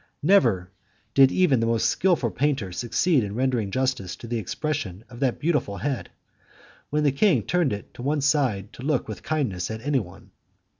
Never did even the most skilful painter succeed in rendering justice to the expression of that beautiful head, when the king turned it on one side to look with kindness at anyone.